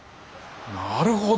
なるほど！